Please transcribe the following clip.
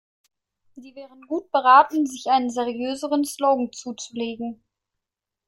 Sie wären gut beraten, sich einen seriöseren Slogan zuzulegen.